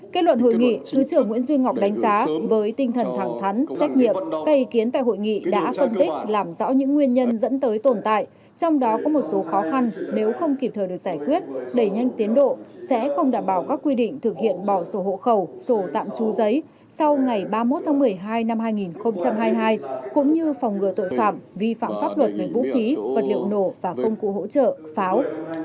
kết luận hội nghị thứ trưởng nguyễn duy ngọc đánh giá với tinh thần thẳng thắn trách nhiệm cây kiến tại hội nghị đã phân tích làm rõ những nguyên nhân dẫn tới tồn tại trong đó có một số khó khăn nếu không kịp thời được giải quyết đẩy nhanh tiến độ sẽ không đảm bảo các quy định thực hiện bỏ sổ hộ khẩu sổ tạm tru giấy sau ngày ba mươi một tháng một mươi hai năm hai nghìn hai mươi hai cũng như phòng ngừa tội phạm vi phạm pháp luật về vũ khí vật liệu nổ và công cụ hỗ trợ pháo